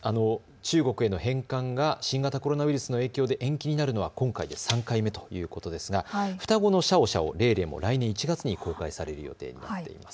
中国への返還が新型コロナウイルスの影響で延期になるのは今回で３回目ということですが双子のシャオシャオ、レイレイは来年１月に公開されるということです。